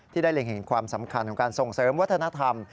ได้เล็งเห็นความสำคัญของการส่งเสริมวัฒนธรรม